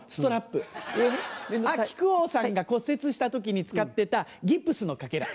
木久扇さんが骨折した時に使ってたギプスのかけら。